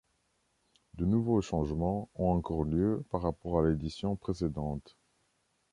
De nouveaux changements ont encore lieu par rapport à l'édition précédente.